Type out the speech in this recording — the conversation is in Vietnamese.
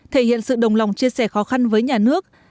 thể hiện sự đồng lòng chia sẻ khó khăn với nhà nước